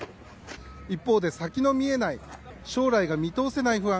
一方で、先の見えない将来が見通せない不安